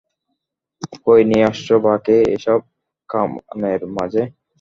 কই নিয়া আসছো বাকে, এইসব কামানের মাঝে?